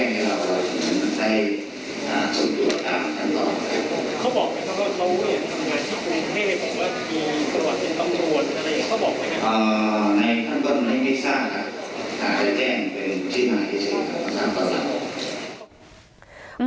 ของให้ทั้งตอนไม่ได้ทราบแต่ได้แจ้งเพียงพี่หมาถี่ทั้ง๓๔